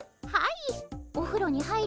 はい。